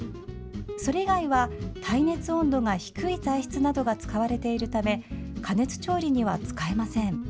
それ以外は耐熱温度が低い材質などが使われているため加熱調理には使えません。